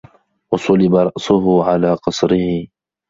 وَصُلِبَ رَأْسُهُ عَلَى قَصْرِهِ